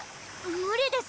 無理です。